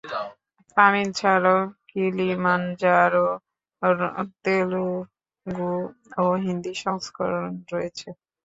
তামিল ছাড়াও "কিলিমানজারো"র তেলুগু ও হিন্দি সংস্করণ রয়েছে।